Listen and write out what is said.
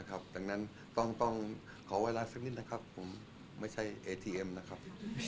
ครับครับขอบคุณมากครับ